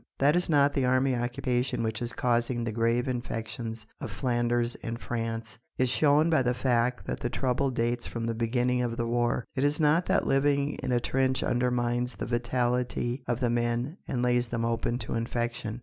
That it is not the army occupation which is causing the grave infections of Flanders and France is shown by the fact that the trouble dates from the beginning of the war. It is not that living in a trench undermines the vitality of the men and lays them open to infection.